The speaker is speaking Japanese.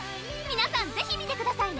皆さんぜひ見てくださいね！